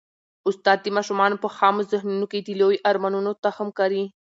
استاد د ماشومانو په خامو ذهنونو کي د لویو ارمانونو تخم کري.